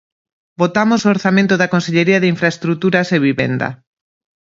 Votamos o orzamento da Consellería de Infraestruturas e Vivenda.